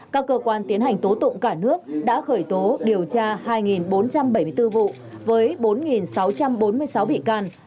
các cơ quan tiến hành tố tụng cả nước đã khởi tố điều tra hai bốn trăm bảy mươi bốn vụ với bốn sáu trăm bốn mươi sáu bị can